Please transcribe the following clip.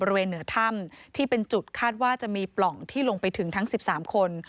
เหนือถ้ำที่เป็นจุดคาดว่าจะมีปล่องที่ลงไปถึงทั้ง๑๓คน